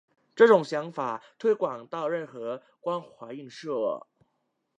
这种想法推广到任何光滑映射。